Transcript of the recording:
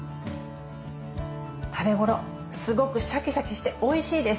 食べごろすごくシャキシャキしておいしいです。